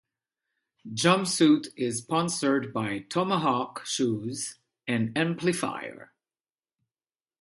Jumpsuit is sponsored by Tomahawk Shoes and Amplifiers.